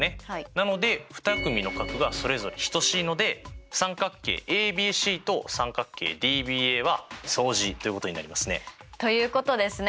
なので２組の角がそれぞれ等しいので三角形ＡＢＣと三角形ＤＢＡは相似ということになりますね。ということですね！